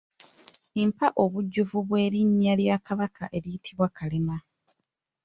Mpa obujjuvu bw’erinnya lya Kabaka eriyitibwa Kalema